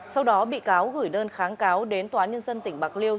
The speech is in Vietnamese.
sau đó bị cáo gửi đơn kháng cáo đến tòa án nhân dân tỉnh bạc liêu